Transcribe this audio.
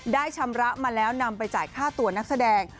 ชำระมาแล้วนำไปจ่ายค่าตัวนักแสดง